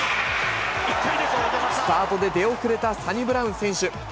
スタートで出遅れたサニブラウン選手。